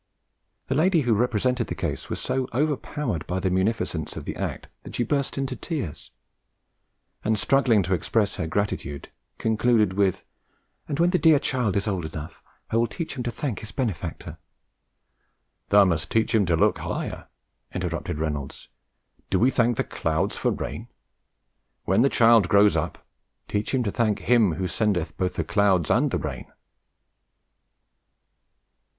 The lady who represented the case was so overpowered by the munificence of the act that she burst into tears, and, struggling to express her gratitude, concluded with "and when the dear child is old enough, I will teach him to thank his benefactor." "Thou must teach him to look higher," interrupted Reynolds: "Do we thank the clouds for rain? When the child grows up, teach him to thank Him who sendeth both the clouds and the rain."